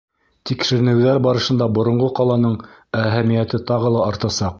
Тикшеренеүҙәр барышында боронғо ҡаланың әһәмиәте тағы ла артасаҡ.